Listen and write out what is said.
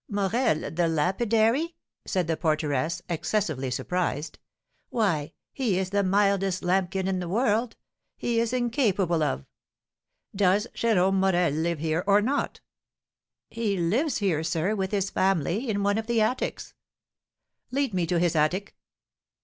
"Morel, the lapidary!" said the porteress, excessively surprised; "why, he is the mildest lambkin in the world. He is incapable of " "Does Jérome Morel live here or not?" "He lives here, sir, with his family, in one of the attics." "Lead me to his attic."